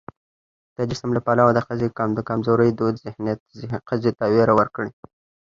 د جسم له پلوه د ښځې د کمزورۍ دود ذهنيت ښځې ته ويره ورکړې